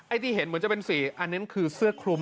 ที่เห็นเหมือนจะเป็นสีอันนั้นคือเสื้อคลุม